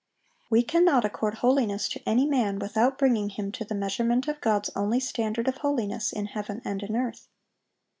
We cannot accord holiness to any man without bringing him to the measurement of God's only standard of holiness in heaven and in earth.